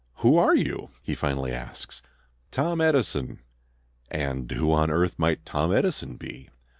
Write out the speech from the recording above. "Who are you?" he finally asks. "Tom Edison." "And who on earth might Tom Edison be?"